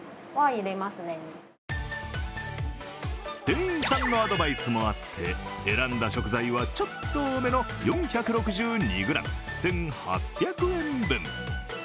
店員さんのアドバイスもあって、選んだ食材はちょっと多めの４６２ｇ１８００円分。